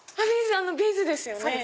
ビーズですよね？